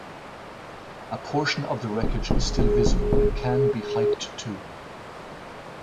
A portion of the wreckage is still visible and can be hiked to.